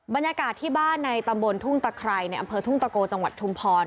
บรรยากาศที่บ้านในตำบลทุ่งตะไครในอำเภอทุ่งตะโกจังหวัดชุมพร